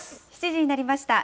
７時になりました。